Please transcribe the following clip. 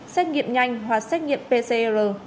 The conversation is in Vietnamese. xét nghiệm nhanh hoặc xét nghiệm pcr